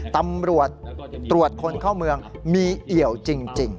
ตำรวจตรวจคนเข้าเมืองมีเอี่ยวจริง